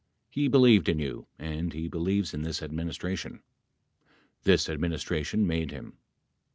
He believed in you and he believes in this Adminis tration. This Administration made him.